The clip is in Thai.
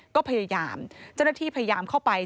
ก็พยายามเจ้าหน้าที่พยายามเข้าไป